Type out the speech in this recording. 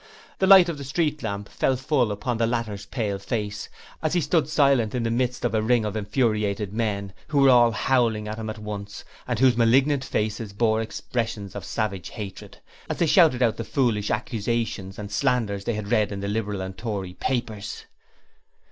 The light of the street lamp fell full upon the latter's pale face, as he stood silent in the midst of a ring of infuriated men, who were all howling at him at once, and whose malignant faces bore expressions of savage hatred, as they shouted out the foolish accusations and slanders they had read in the Liberal and Tory papers.